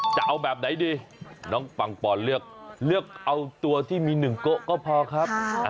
จะเอาแบบไหนดีน้องปังปอนเลือกเอาตัวที่มี๑ก๊ะก็พอครับ